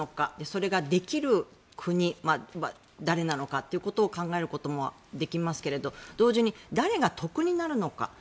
それができる国誰なのかということを考えることもできますけれど同時に誰が得になるのか。